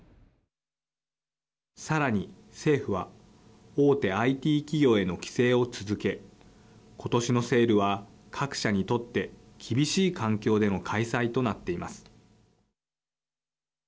さらに政府は大手ＩＴ企業への規制を続け今年のセールは各社にとって厳しい環境での開催となっています。